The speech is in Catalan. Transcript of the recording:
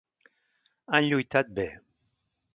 Han lluitat bé.